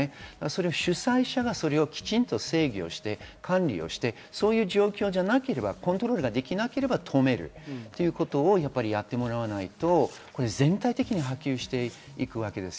主催者がそれをきちんと制御して管理をしてコントロールできなければ止めるということをやってもらわないとこれは全体的に波及していくわけです。